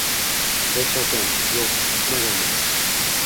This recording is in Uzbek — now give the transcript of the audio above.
hech qachon… yo’q, uchmaganman.